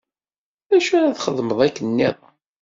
D acu ara txedmeḍ akken nniḍen?